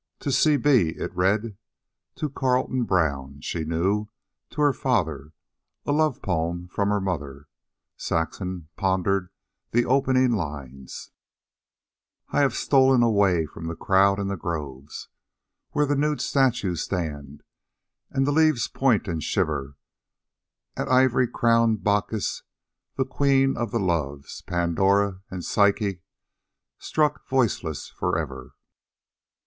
"To C. B.," it read. To Carlton Brown, she knew, to her father, a love poem from her mother. Saxon pondered the opening lines: "I have stolen away from the crowd in the groves, Where the nude statues stand, and the leaves point and shiver At ivy crowned Bacchus, the Queen of the Loves, Pandora and Psyche, struck voiceless forever."